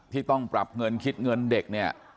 ที่ต้องปรับเงินคิดเงินเด็กเนี่ย